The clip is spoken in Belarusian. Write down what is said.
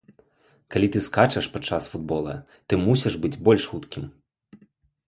Калі ты скачаш падчас футбола, ты мусіш быць больш хуткім.